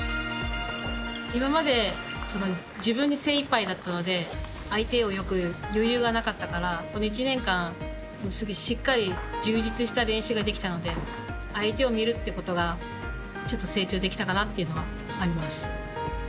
今まで自分に精いっぱいだったので相手を見る余裕がなかったから１年間、しっかり充実した練習ができたので相手を見るということがちょっと成長できたかなというのがあります。